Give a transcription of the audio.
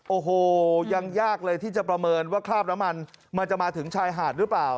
โอ้โหยังยากเลยที่จะประเมินว่าคราบน้ำมันมันจะมาถึงชายหาดหรือเปล่า